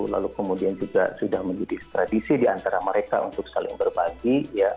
lalu kemudian juga sudah menjadi tradisi diantara mereka untuk saling berbagi